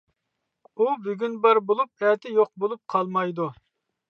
ئۇ بۈگۈن بار بولۇپ، ئەتە يوق بولۇپ قالمايدۇ.